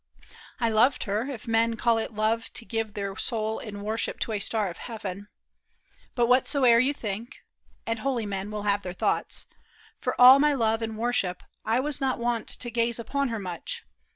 I loved her, if men call it love to give Their soul in worship to a star of heaven ; But whatso'er you think — and holy men Will have their thoughts — for all my love and wor ship, I was not wont to gaze upon her much.